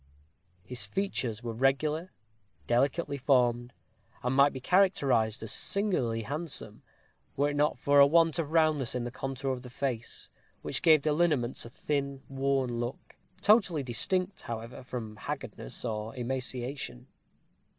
His features were regular, delicately formed, and might be characterized as singularly handsome, were it not for a want of roundness in the contour of the face which gave the lineaments a thin, worn look, totally distinct, however, from haggardness or emaciation.